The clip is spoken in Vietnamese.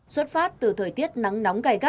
xuất phát từ thời tiết nắng nóng gầy thấp